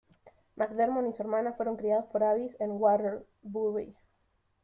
McDermott y su hermana fueron criados por Avis en Waterbury.